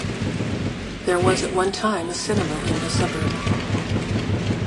There was at one time a cinema in the suburb.